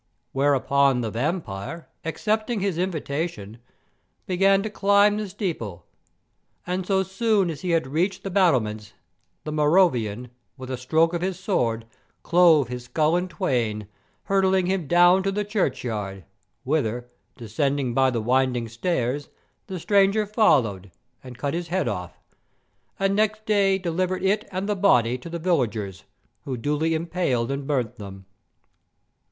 Whereupon the vampire, accepting his invitation, began to climb the steeple, and so soon as he had reached the battlements, the Moravian, with a stroke of his sword, clove his skull in twain, hurling him down to the churchyard, whither, descending by the winding stairs, the stranger followed and cut his head off, and next day delivered it and the body to the villagers, who duly impaled and burnt them.